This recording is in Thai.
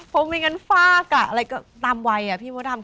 ผมวิ่งกันฟากอะไรก็ตามวัยอะพี่โมดำ